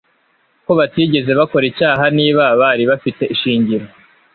ko batigeze bakora icyaha Niba bari bafite ishingiro